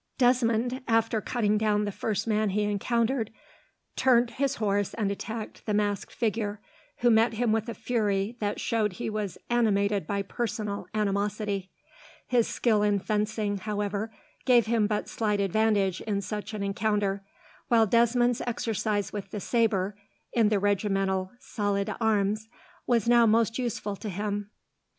Desmond, after cutting down the first man he encountered, turned his horse and attacked the masked figure, who met him with a fury that showed he was animated by personal animosity. His skill in fencing, however, gave him but slight advantage in such an encounter, while Desmond's exercise with the sabre, in the regimental salle d'armes, was now most useful to him.